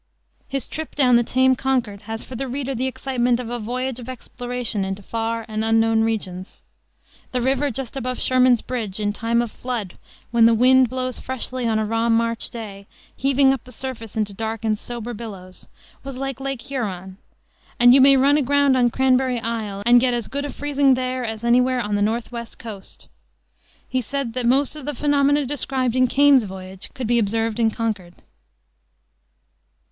His trip down the tame Concord has for the reader the excitement of a voyage of exploration into far and unknown regions. The river just above Sherman's Bridge, in time of flood "when the wind blows freshly on a raw March day, heaving up the surface into dark and sober billows," was like Lake Huron, "and you may run aground on Cranberry Island," and "get as good a freezing there as anywhere on the North west coast." He said that most of the phenomena described in Kane's voyages could be observed in Concord.